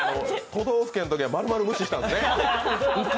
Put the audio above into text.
都道府県のときはまるまる無視したのね。